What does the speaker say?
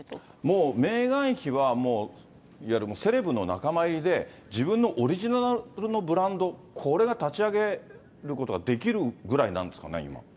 もうメーガン妃はもういわゆるセレブの仲間入りで、自分のオリジナルのブランド、これが立ち上げることができるぐらいなんですかね、今。